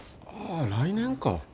ああ来年か。